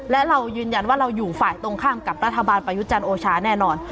และเรายืนยันว่าเราอยู่ฝ่ายตรงข้ามกับรัฐบาลประยุจันทร์โอชาแน่นอน